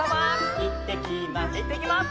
「いってきます」